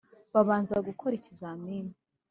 Babanza gukora ikizamini.